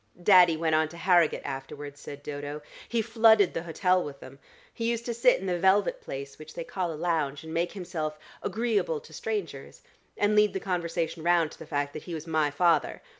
"Daddy went on to Harrogate afterwards," said Dodo. "He flooded the hotel with them. He used to sit in the velvet place which they call a lounge, and make himself agreeable to strangers, and lead the conversation round to the fact that he was my father.